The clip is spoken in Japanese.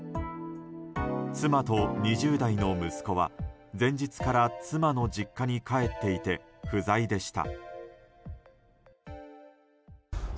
妻と２０代の息子は、前日から妻の実家に帰っていて不在でした。